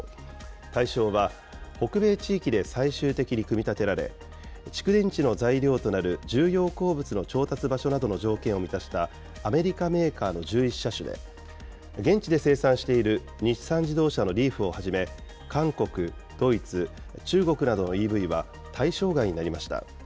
対象は、北米地域で最終的に組み立てられ、蓄電池の材料となる重要鉱物の調達場所などの条件を満たしたアメリカメーカーの１１車種で、現地で生産している日産自動車のリーフをはじめ、韓国、ドイツ、中国などのＥＶは対象外になりました。